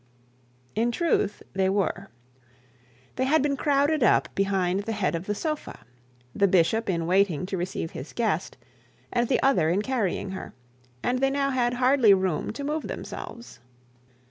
In truth they were. They had been crowded up behind the head of the sofa: the bishop in waiting to receive his guest, and the other in carrying her; and they now had hardly room to move themselves.